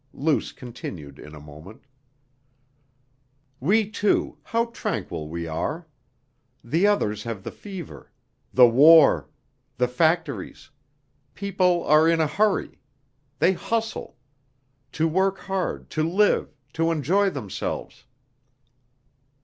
Luce continued in a moment: "We two, how tranquil we are!... The others have the fever. The war. The factories. People are in a hurry. They hustle. To work hard, to live, to enjoy themselves...."